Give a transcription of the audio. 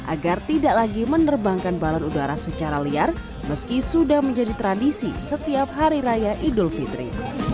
agar tidak lagi menerbangkan balon udara secara liar meski sudah menjadi tradisi setiap hari raya idul fitri